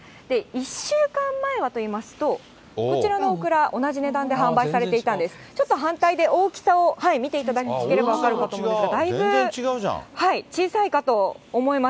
１週間前はといいますと、こちらのオクラ、同じ値段で販売されていたんです、ちょっと反対で大きさを見ていただければ分かると思うんですが、だいぶ小さいかと思います。